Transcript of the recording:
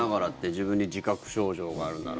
自分に自覚症状があるなら。